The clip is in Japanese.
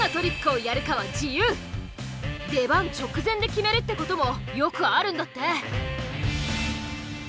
出番直前で決めるってこともよくあるんだって。